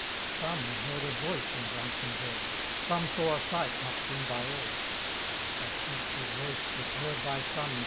Some heard a voice in Branksome Hall, Some saw a sight, not seen by all ; That dreadful voice was heard by some.